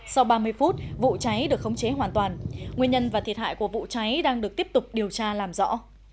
sau ba mươi phút vụ cháy được khống chế hoàn toàn nguyên nhân và thiệt hại của vụ cháy đang được tiếp tục điều tra làm rõ